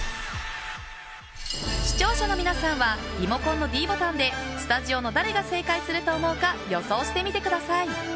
視聴者の皆さんはリモコンのｄボタンでスタジオの誰が正解すると思うか予想してみてください。